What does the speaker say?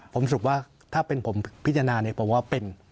ผมสมุดว่าถ้าเป็นผมพิจารณาผมว่าเป็น